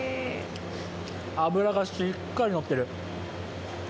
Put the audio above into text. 脂がしっかりのってる。